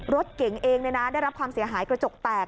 รถเก๋งเองได้รับความเสียหายกระจกแตก